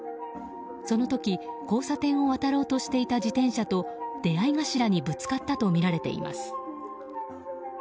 その時、交差点を渡ろうとしていた自転車と出合い頭にぶつかったとみられています。